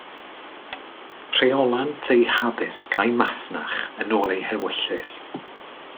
Rheolant eu haddysg a'u masnach yn ôl eu hewyllys.